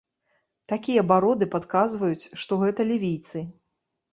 Такія бароды падказваюць, што гэта лівійцы.